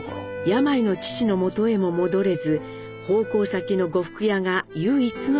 病の父の元へも戻れず奉公先の呉服屋が唯一のよりどころ。